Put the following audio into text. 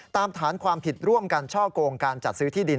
ฐานความผิดร่วมกันช่อกงการจัดซื้อที่ดิน